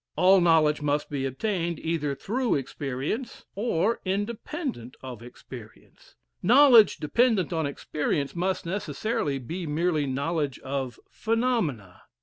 All knowledge must be obtained either through experience or independent of experience. Knowledge dependent on experience must necessarily be merely knowledge of phenomena.